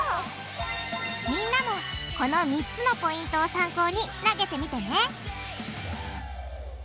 みんなもこの３つのポイントを参考に投げてみてね！